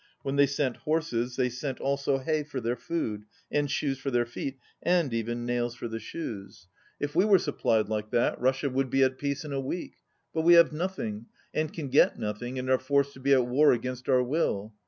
When they sent horses, they sent also hay for their food, and shoes for their feet, and even nails for the shoes. If we 97 were supplied like that, Russia would be at peace in a week. But we have nothing, and can get nothing, and are forced to be at war against our will.